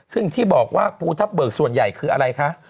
ซึ่งที่บอกว่าภูทับเบิกส่วนใหญ่คืออะไรคะ